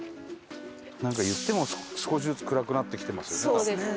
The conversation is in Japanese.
なんか言っても少しずつ暗くなってきてますよね。